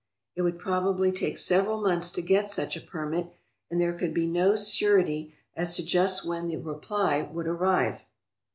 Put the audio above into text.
It would prob ably take several months to get such a permit and there could be no surety as to just when the reply would arrive.